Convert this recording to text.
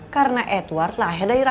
karena edward lahir dari rahimah